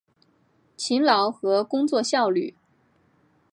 勤劳和工作效率